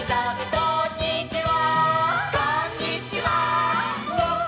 「こんにちは」「」